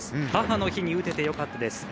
母の日に打ててよかったです。